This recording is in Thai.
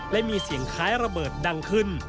และมีเสียงคล้ายระเบิดดังขึ้น